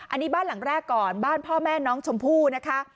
อันนี้บ้านหลังแรกก่อนบ้านพ่อแม่น้องชมพู่นะคะ